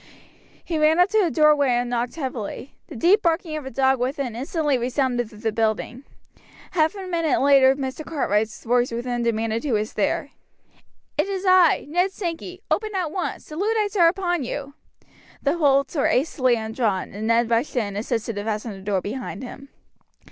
He ran up to the doorway and knocked heavily. The deep barking of a dog within instantly resounded through the building. Half a minute later Mr. Cartwright's voice within demanded who was there. "It is I, Ned Sankey open at once. The Luddites are upon you!" The bolts were hastily undrawn, and Ned rushed in and assisted to fasten the door behind him.